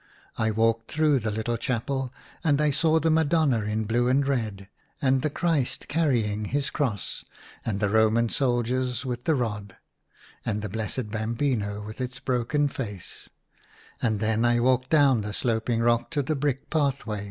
I walked through the little chapel, and I saw the Madonna in blue and red, and the Christ carrying his cross, and the Roman soldiers with the rod, and the Blessed Bambino with its broken face; and then I walked down the sloping rock to the brick pathway.